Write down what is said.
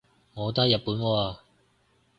我都喺日本喎